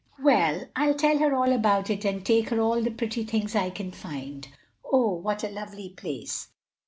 "Well, I'll tell her all about it and take her all the pretty things I can find. Oh, what a lovely place!"